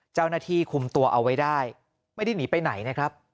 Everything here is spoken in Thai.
เจ้าหน้าที่คุมตัวเอาไว้ได้ไม่ได้หนีไปไหนนะครับ